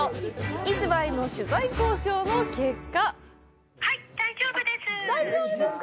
市場へ取材交渉の結果大丈夫ですか？